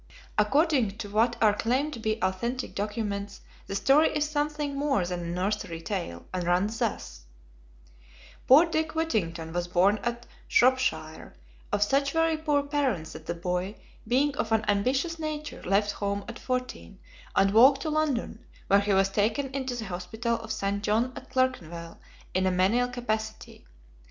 According to what are claimed to be authentic documents, the story is something more than a nursery tale, and runs thus: Poor Dick Whittington was born at Shropshire, of such very poor parents that the boy, being of an ambitious nature, left home at fourteen, and walked to London, where he was taken into the hospital of St. John at Clerkenwell, in a menial capacity.